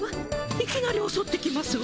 いきなりおそってきますわ。